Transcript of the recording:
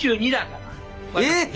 えっ！